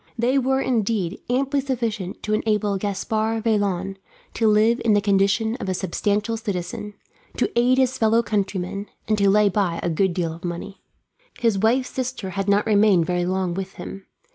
They were, indeed, amply sufficient to enable Gaspard Vaillant to live in the condition of a substantial citizen, to aid his fellow countrymen, and to lay by a good deal of money. His wife's sister had not remained very long with him.